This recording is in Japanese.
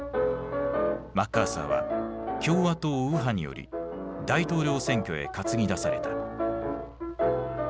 マッカーサーは共和党右派により大統領選挙へ担ぎ出された。